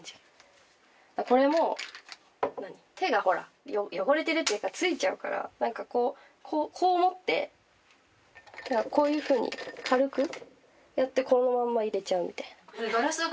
これも手が汚れてるっていうかついちゃうからなんかこう持ってこういう風に軽くやってこのまま入れちゃうみたいな。